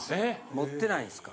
・持ってないんすか？